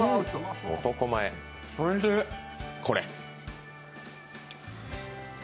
これ？